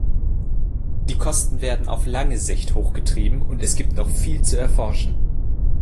Die Kosten werden auf lange Sicht hochgetrieben, und es gibt noch viel zu erforschen.